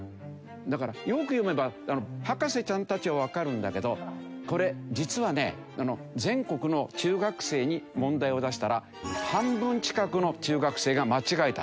だからよく読めば博士ちゃんたちはわかるんだけどこれ実はね全国の中学生に問題を出したら半分近くの中学生が間違えたんです。